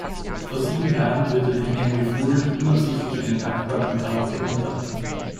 Vor sieben Jahren tötete Henry Fool unabsichtlich einen Nachbar und tauchte unter.